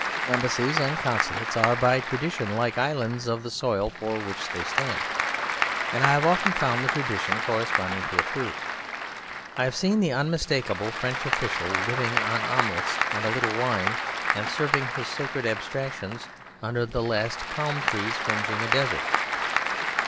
Embassies and consulates are by tradition like islands of the soil for which they stand; and I have often found the tradition corresponding to a truth. I have seen the unmistakable French official living on omelettes and a little wine and serving his sacred abstractions under the last palm trees fringing a desert.